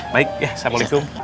baik ya assalamualaikum